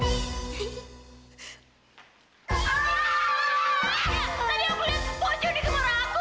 tadi aku lihat pojok di kamar aku